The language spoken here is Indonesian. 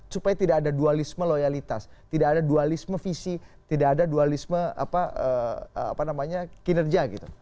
supaya tidak ada dualisme loyalitas tidak ada dualisme visi tidak ada dualisme kinerja gitu